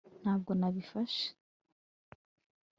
ntabwo nabifashe